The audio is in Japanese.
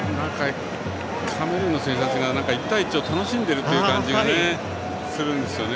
カメルーンの選手たちが１対１を楽しんでいる感じがするんですね。